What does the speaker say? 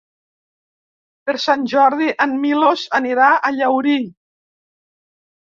Per Sant Jordi en Milos anirà a Llaurí.